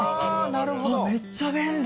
めっちゃ便利。